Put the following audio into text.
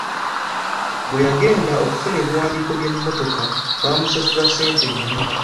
Bwe yagenda okufuna ebiwandiiko by'emmotoka baamusasuza ssente nnyingi.